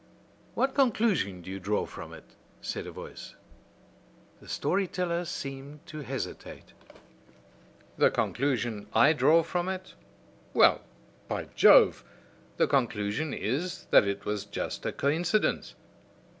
"What conclusion do you draw from it?" said a voice. The story teller seemed to hesitate. "The conclusion I draw from it well, by Jove, the conclusion is that it was just a coincidence!